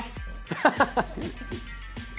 ハハハハ！